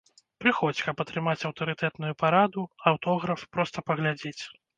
Прыходзь, каб атрымаць аўтарытэтную параду, аўтограф, проста паглядзець.